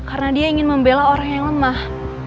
karena dia ingin membela orang yang lemah